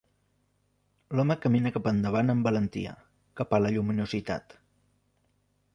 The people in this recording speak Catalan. L'home camina cap endavant amb valentia, cap a la lluminositat.